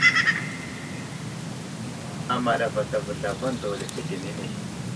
Amaɗ avatavo zlavaŋ daw lefetenene.